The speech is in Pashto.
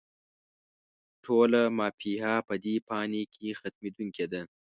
ټوله «ما فيها» په دې فاني کې ختمېدونکې ده